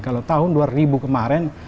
kalau tahun dua ribu kemarin